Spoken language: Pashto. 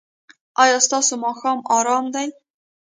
ایا ستاسو ماښام ارام دی؟